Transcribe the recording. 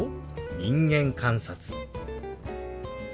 「人間観察」。